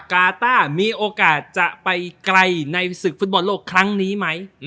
กาต้ามีโอกาสจะไปไกลในศึกฟุตบอลโลกครั้งนี้ไหม